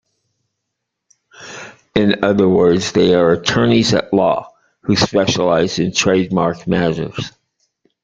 In other words, they are attorneys at law who specialize in trade mark matters.